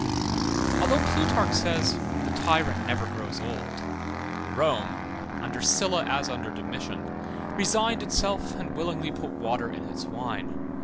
Although Plutarch says: the tyrant never grows old, Rome, under Sylla as under Domitian, resigned itself and willingly put water in its wine.